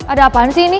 ada apaan sih ini